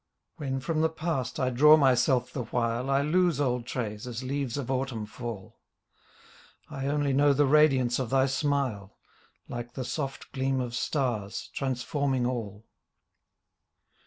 When from the past I draw myself the while I lose old traits as leaves of autumn fall; I only know the radiance of thy smile. Like the soft gleam of stars, transforming all.